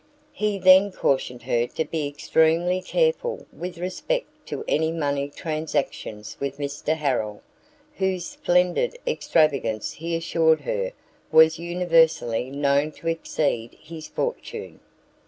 He then cautioned her to be extremely careful with respect to any money transactions with Mr Harrel, whose splendid extravagance he assured her was universally known to exceed his fortune.